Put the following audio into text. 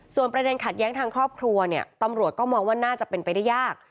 ส่วนประเด็นขัดแย้งทางครอบครัวเนี่ยตำรวจก็มองว่าน่าจะเป็นไปได้ยาก